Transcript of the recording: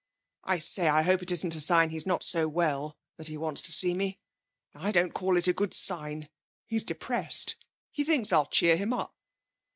'I say, I hope it isn't a sign he's not so well, that he wants to see me. I don't call it a good sign. He's depressed. He thinks I'll cheer him up.'